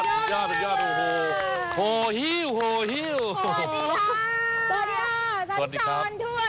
ใช่แล้วค่ะคุณผู้ชมวันนี้นะคะ